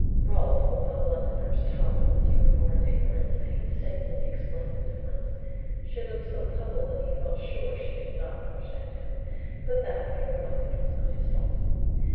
Rolfe, with a Londoner's tolerance for foreign ignorance, painstakingly explained the difference. She looked so puzzled that he felt sure she did not understand him. But that, he reflected, was not his fault.